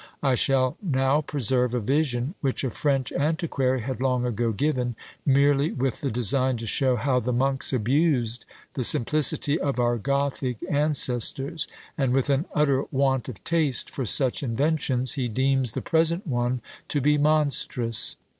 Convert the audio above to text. I shall now preserve a vision which a French antiquary had long ago given, merely with the design to show how the monks abused the simplicity of our Gothic ancestors, and with an utter want of taste for such inventions, he deems the present one to be "monstrous."